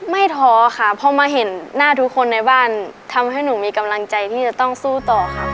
ท้อค่ะพอมาเห็นหน้าทุกคนในบ้านทำให้หนูมีกำลังใจที่จะต้องสู้ต่อค่ะ